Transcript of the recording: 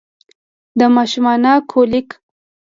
د ماشومانه کولیک